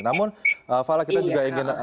namun fala kita juga ingin